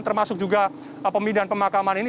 termasuk juga pemindahan pemakaman ini